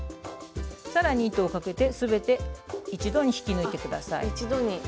更に糸をかけて全て一度に引き抜いて下さい。